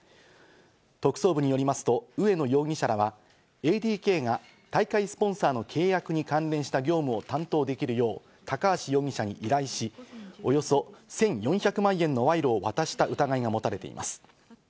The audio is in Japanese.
特捜部によりますと、植野容疑者らは、ＡＤＫが大会スポンサーの契約に関連した業務を担当できるよう高橋容疑者に依頼し、およそ１４００万円の賄賂を渡した疑いが持たれています。